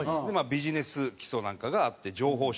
ビジネス基礎なんかがあって情報処理。